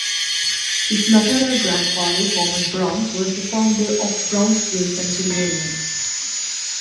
His maternal grandfather, Thomas Brown, was the founder of Brownsville, Pennsylvania.